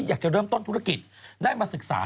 จากกระแสของละครกรุเปสันนิวาสนะฮะ